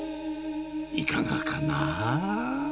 いかがかな。